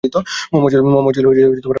মুহাম্মাদ ছিল আমার খুব পরিচিত।